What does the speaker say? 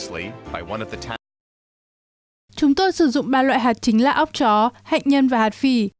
và đối với một trong những thị trấn chúng tôi sử dụng ba loại hạt chính là ốc chó hạnh nhân và hạt phì